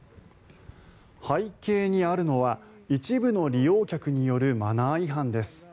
背景にあるのは一部の利用客によるマナー違反です。